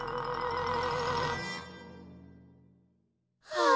はあ。